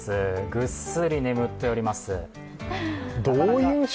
ぐっすり眠っております。